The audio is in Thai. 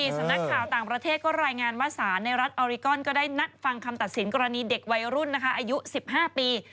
สำนักข่าวต่างประเทศก็รายงานว่าสารในรัฐออริกอนก็ได้นัดฟังคำตัดสินกรณีเด็กวัยรุ่นนะคะอายุ๑๕ปี